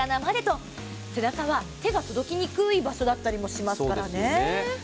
背中は手が届きにくい場所だったりもしますからね。